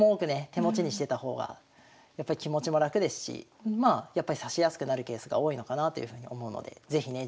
手持ちにしてた方がやっぱり気持ちも楽ですしやっぱり指しやすくなるケースが多いのかなというふうに思うので是非ね